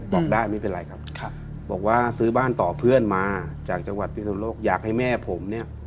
บอกได้ไม่เป็นไรครับบอกว่าซื้อบ้านต่อเพื่อนมาจากจังหวัดพิสุนโลกอยากให้แม่ผมเนี่ย